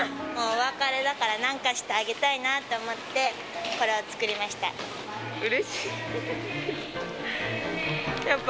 もうお別れだからなんかしてあげたいなと思って、これを作りましうれしいです。